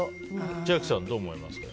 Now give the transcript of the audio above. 千秋さん、どう思いますか？